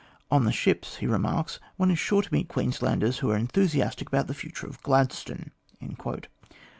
On the ships," he remarks, " one is sure to meet Queenslanders who are enthusiastic about the future of Gladstone."